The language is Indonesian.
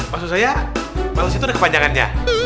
maksud saya manusia itu ada kepanjangannya